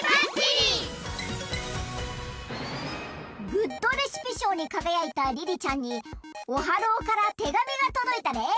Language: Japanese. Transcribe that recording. グッドレシピしょうにかがやいたリリちゃんにオハローからてがみがとどいたで。